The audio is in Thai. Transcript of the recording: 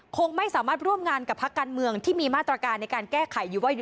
คงไม่สามารถร่วมงานกับพักการเมืองที่มีมาตรการในการแก้ไขอยู่ว่า